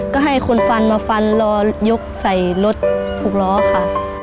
ก็ให้คนฟันมาฟันรอยกใส่รถหกล้อค่ะ